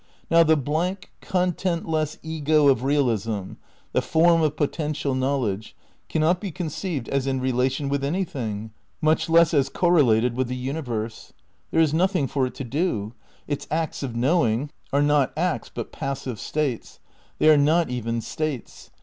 Now the blank, contentless ego of realism, the form of potential knowledge, cannot be conceived as in re lation with anything, much less as correlated with the universe. There is nothing for it to do. Its acts of knowing are not acts but passive states. They are not even states.